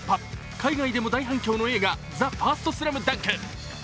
海外でも大反響の映画「ＴＨＥＦＩＲＳＴＳＬＡＭＤＵＮＫ」。